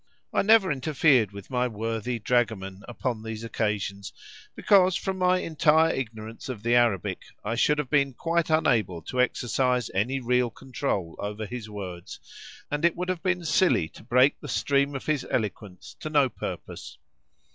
I never interfered with my worthy dragoman upon these occasions, because from my entire ignorance of the Arabic I should have been quite unable to exercise any real control over his words, and it would have been silly to break the stream of his eloquence to no purpose.